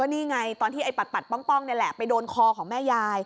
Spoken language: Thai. นี่ไงตอนที่ไอ้ปัดป้องนี่แหละไปโดนคอของแม่ยาย